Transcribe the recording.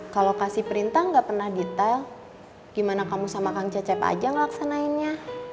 kalau kasih perintah gak pernah detail gimana kamu sama kang cecep aja ngelaksanainnya